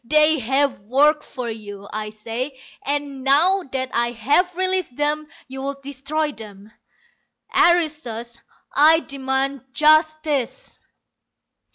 They have worked for you, I say, and now that I have released them you would destroy them. Aristos, I demand justice!"